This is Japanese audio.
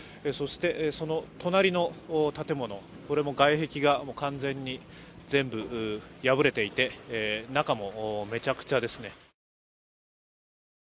そしてその隣の建物も外壁が完全に全部破れていて中もめちゃくちゃですね。